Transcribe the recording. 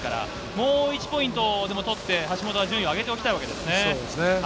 もう１ポイント取って橋本は順位を上げておきたいわけですね。